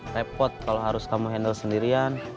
repot kalau harus kamu handle sendirian